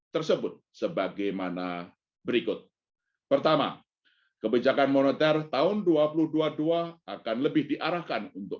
tersebut sebagaimana berikut pertama kebijakan moneter tahun dua ribu dua puluh dua akan lebih diarahkan untuk